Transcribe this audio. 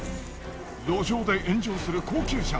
路上で炎上する高級車。